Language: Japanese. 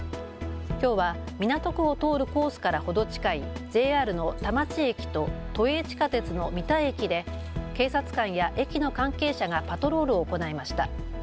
きょうは港区を通るコースから程近いＪＲの田町駅と都営地下鉄の三田駅で警察官や駅の関係者がパトロールを行いました。